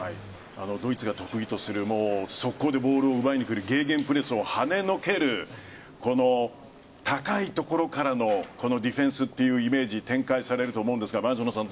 ドイツが得意とする速攻でボールを奪いにくるゲーゲンプレスをはねのける高いところからのディフェンスというイメージ展開されると思うんですが前園さん